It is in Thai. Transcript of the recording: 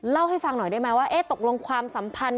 เล่าให้ฟังหน่อยได้ไหมว่าตกลงความสัมพันธ์